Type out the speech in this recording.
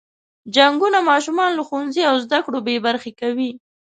جنګونه ماشومان له ښوونځي او زده کړو بې برخې کوي.